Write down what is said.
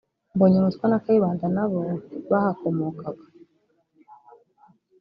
Mbonyumutwa na Kayibanda nabo bahakomokaga